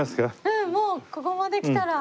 うんもうここまで来たら。